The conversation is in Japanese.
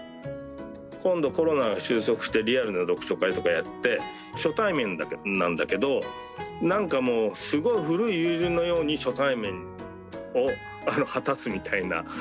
今度コロナが収束してリアルな読書会とかやって初対面なんだけどなんかもうすごい古い友人のように初対面を果たすみたいな。